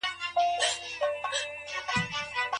غل به يا رسوا سي، لاس به ئې پري سي.